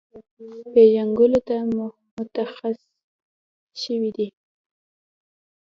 پېژنګلو ته مختص شوی دی،